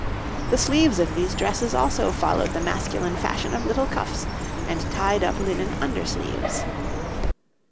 The sleeves of these dresses also followed the masculine fashion of little cuffs and tied up linen under sleeves.